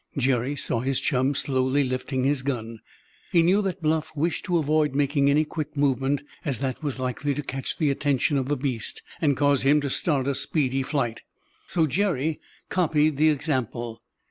Jerry saw his chum slowly lifting his gun. He knew that Bluff wished to avoid making any quick movement, as that was likely to catch the attention of the beast, and cause him to start a speedy flight. So Jerry copied the example.